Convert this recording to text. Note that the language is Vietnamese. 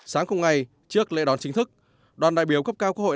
sáng cùng ngày trước lễ đón chính thức đoàn đại biểu cấp cao quốc hội